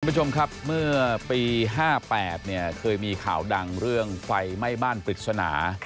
คุณผู้ชมครับเมื่อปี๕๘เนี่ยเคยมีข่าวดังเรื่องไฟไหม้บ้านปริศนา